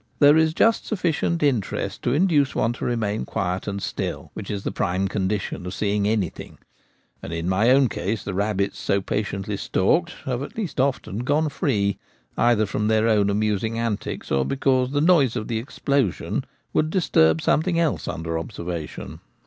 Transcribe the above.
There is just sufficient interest to induce one to remain quiet and still, which is the prime condition of seeing anything ; and in my own case the rabbits so patiently stalked have at last often gone free, either from their own amusing antics, or because the noise of the explosion would disturb something else under observation.